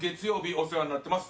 お世話になっています